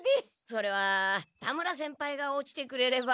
それは田村先輩が落ちてくれれば。